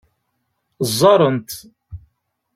Ẓẓaren-t.